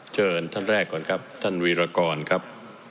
เชิญท่านแรกก่อนครับท่านวีรกรครับ